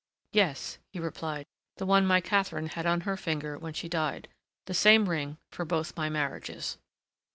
"Yes," he replied, "the one my Catherine had on her finger when she died. The same ring for both my marriages."